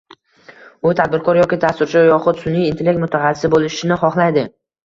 U tadbirkor yoki dasturchi yoxud sunʼiy intellekt mutaxassisi boʻlishni xohlaydi.